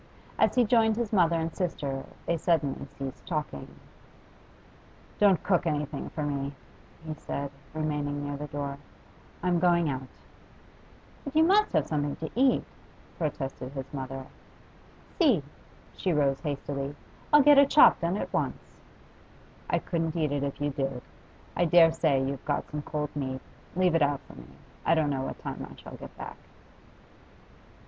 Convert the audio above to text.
As he joined his mother and sister they suddenly ceased talking. 'Don't cook anything for me,' he said, remaining near the door. 'I'm going out.' 'But you must have something to eat,' protested his mother. 'See' she rose hastily 'I'll get a chop done at once.' 'I couldn't eat it if you did. I dare say you've got some cold meat. Leave it out for me; I don't know what time I shall get back.